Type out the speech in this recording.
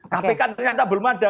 kpk ternyata belum ada